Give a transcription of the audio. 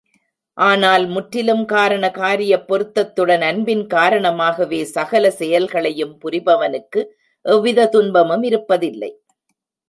ஆனால் முற்றிலும் காரண காரியப் பொருத்தத்துடன் அன்பின் காரணமாகவே சகல செயல்களையும் புரிபவனுக்கு எவ்விதத் துன்பமும் இருப்பதில்லை.